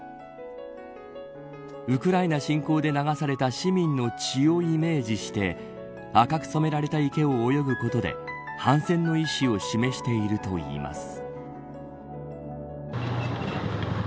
ウクライナ侵攻で流された市民の血をイメージして赤く染められた池を泳ぐことで反戦の意思を示しているといいます。